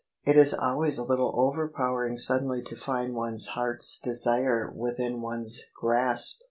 It is always a little overpowering suddenly to find one's heart's desire within one's grasp.